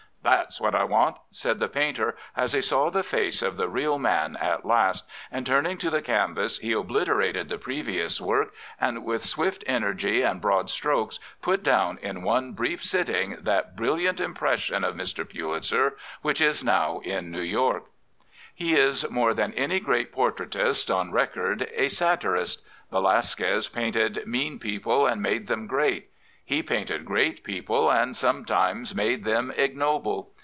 "That's what I want," said the painter, as he saw the face of the real man at last, and turning to the canvas he obliterated the previous work and with swift energy ancTbroad strokes put down in one brief sitting that 4 « John Singer Sargent brilliant impression of Mr. Pulitzer which is now in New York. He is, more than any great portraitist on record, a satirist. Velasquez painted mean people and made them great. He painted great people and sometimes made them ignoble.